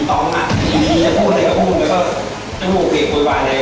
เต้นเหมือนในคลิปกันเลย